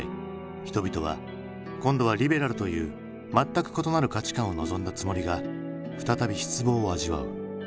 人々は今度はリベラルという全く異なる価値観を望んだつもりが再び失望を味わう。